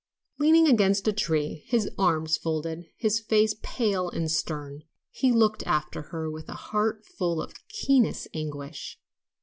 Leaning against a tree, his arms folded, his face pale and stern, he looked after her with a heart full of keenest anguish.